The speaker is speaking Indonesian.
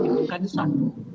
itu kan salah